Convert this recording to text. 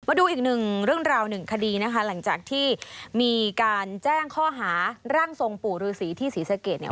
มาดูอีกหนึ่งเรื่องราวหนึ่งคดีนะคะหลังจากที่มีการแจ้งข้อหาร่างทรงปู่ฤษีที่ศรีสะเกดเนี่ย